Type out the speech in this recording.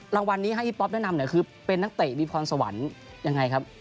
รางวัลนี้ให้พี่ป๊อปแนะนำเนี่ยคือเป็นนักเตะมีพรสวรรค์ยังไงครับ